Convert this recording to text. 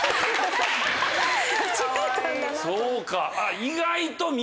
そうか。